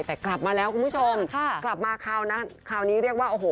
แต่กลับมาแล้วคุณผู้ชมค่ะกลับมาคราวนะคราวนี้เรียกว่าโอ้โห